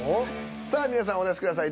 さあ皆さんお出しください